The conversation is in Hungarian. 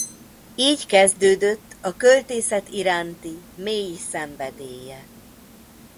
Így kezdődött a költészet iránti mély szenvedélye.